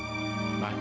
kamu jangan suapin ya